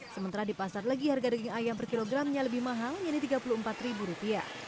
sementara di pasar legi harga daging ayam per kilogramnya lebih mahal yaitu rp tiga puluh empat